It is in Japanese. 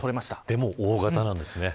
でも、大型なんですね。